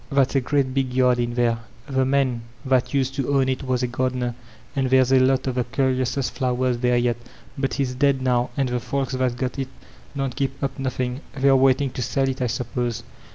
That's a great big yard in there; the man that used to own it was a gardener, and there's a lot of the curiousest flowers there yet But he's dead now, and the folks that's got it don't keep up nothing. They're waiting to sell it, I suppose."